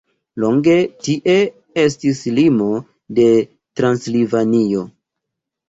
Longe tie estis limo de Transilvanio.